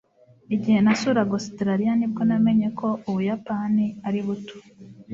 igihe nasuraga ositaraliya, ni bwo namenye ko ubuyapani ari buto